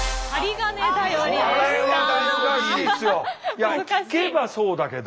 いや聞けばそうだけど。